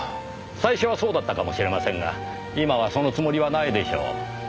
最初はそうだったかもしれませんが今はそのつもりはないでしょう。